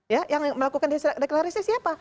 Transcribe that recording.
ya yang melakukan deklarasi siapa